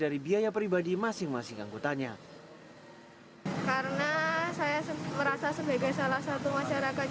dari biaya pribadi masing masing anggotanya karena saya merasa sebagai salah satu masyarakat